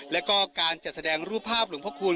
แล้วก็การจัดแสดงรูปภาพหลวงพระคุณ